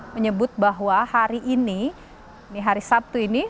menyebut bahwa hari ini hari sabtu ini